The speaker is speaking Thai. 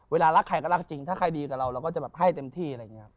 รักใครก็รักจริงถ้าใครดีกับเราเราก็จะแบบให้เต็มที่อะไรอย่างนี้ครับ